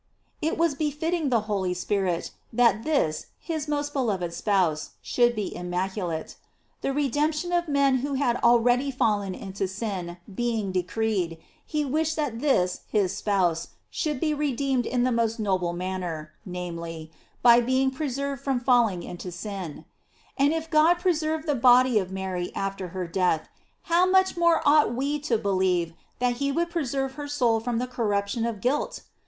It was befitting the Holy Spirit that this his most beloved spouse should be immaculate. The redemption of men who had already fallen into sin being decreed, he wished that this his spouse should be redeemed in the most noble manner, namely, by being preserved from falling GLORIES OF MARY. 70S into sin. And if God preserved the body of Mary after her death, how much more ought we to believe that lie would preserve her soul from the corruption of guilt?